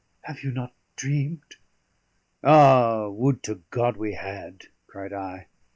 Have you not dreamed?" "Ah, would to God we had!" cried I.